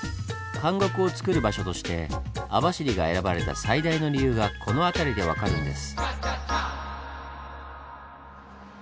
監獄をつくる場所として網走が選ばれた最大の理由がこの辺りで分かるんです。